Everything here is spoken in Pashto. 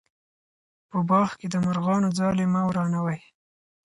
په باغ کې د مرغانو ځالې مه ورانوئ.